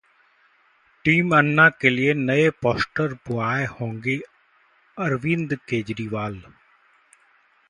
team Anna के नए 'poster boy' होंगे अरविंद केजरीवाल